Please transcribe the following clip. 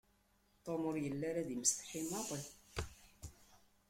Tom ur yelli ara d imsetḥi maḍi.